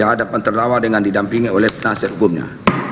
adapan terlawar dengan didampingi oleh penasihat umumnya